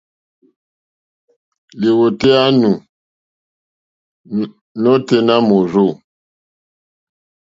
Lìwòtéyá nù nôténá mòrzô.